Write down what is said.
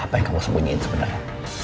apa yang kamu sembunyiin sebenarnya